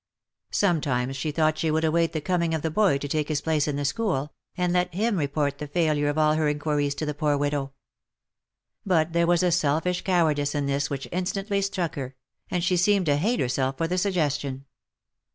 Sometimes she thought she would await the coming of the boy to take his place in the school, and let him report the failure of all her inquiries to the poor widow. But there was a selfish cowardice in this which instantly struck her, and she seemed to hate herself for the suggestion.